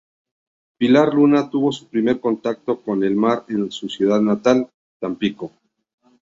Pilar Luna tuvo su primer contacto con el mar en su ciudad natal, Tampico.